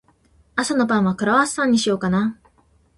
朝のパンは、クロワッサンにしようかな。